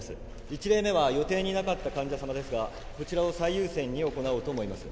一例目は予定になかった患者様ですがこちらを最優先に行おうと思います。